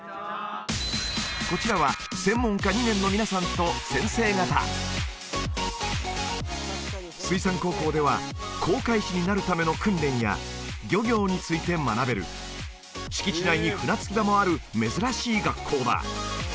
こちらは専門科２年の皆さんと先生方水産高校では航海士になるための訓練や漁業について学べる敷地内に船着き場もある珍しい学校だ